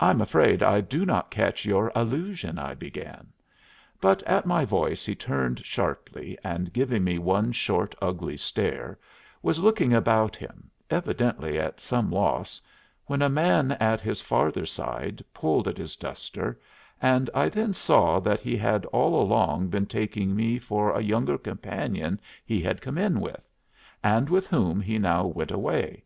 "I'm afraid I do not catch your allusion," I began. But at my voice he turned sharply, and, giving me one short, ugly stare, was looking about him, evidently at some loss, when a man at his farther side pulled at his duster, and I then saw that he had all along been taking me for a younger companion he had come in with, and with whom he now went away.